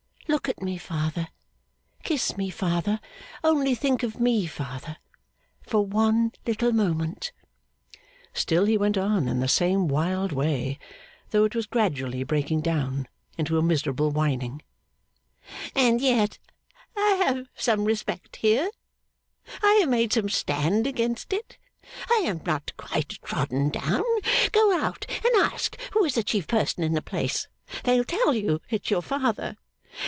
Look at me, father, kiss me, father! Only think of me, father, for one little moment!' Still he went on in the same wild way, though it was gradually breaking down into a miserable whining. 'And yet I have some respect here. I have made some stand against it. I am not quite trodden down. Go out and ask who is the chief person in the place. They'll tell you it's your father.